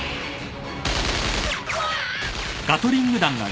うわ！？